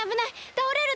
たおれる！